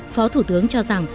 phó thủ tướng cho rằng